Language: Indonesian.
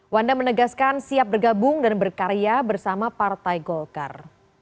wanda menegaskan siap bergabung dan berkarya bersama partai golkar